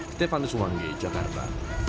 stefanus wangi jakarta